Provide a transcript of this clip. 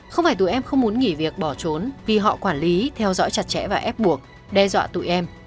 không phải tụi em không muốn nghỉ việc bỏ trốn vì họ quản lý theo dõi chặt chẽ và ép buộc đe dọa tụi em